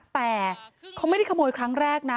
แต่เขาไม่ได้ขโมยครั้งแรกนะ